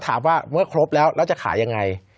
ถามว่าเมื่อกี้ครบแล้วเราจะขายยังไง